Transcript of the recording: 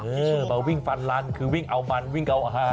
เออมาวิ่งฟันลันคือวิ่งเอามันวิ่งเอาอาหาร